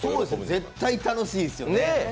絶対楽しいですよね。